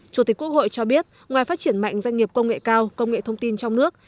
chủ tịch quốc hội cho biết ngoài phát triển mạnh doanh nghiệp công nghệ cao công nghệ thông tin trong nước